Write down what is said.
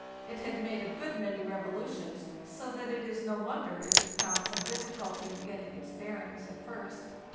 It had made a good many revolu tions, so that it is no wonder if it found some difficulty in getting its bearings at first.